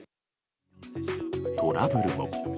トラブルも。